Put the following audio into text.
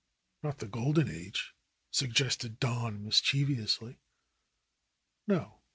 "Not the golden age?" suggested Don mischievously. "No.